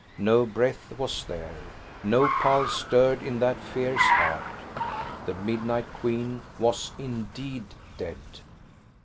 No breath was there; no pulse stirred in that fierce heart the Midnight Queen was indeed dead!